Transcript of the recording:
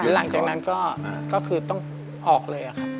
หลังจากนั้นก็คือต้องออกเลยครับ